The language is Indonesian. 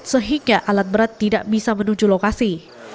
sehingga alat berat tidak bisa menuju lokasi